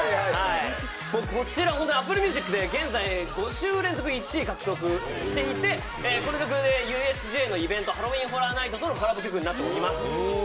僕、こちらＡｐｐｌｅＭｕｓｉｃで現在、５週連続１位獲得していてこの曲でＵＳＪのイベント「ハロウィーン・ホラー・ナイト」のコラボ曲になっております。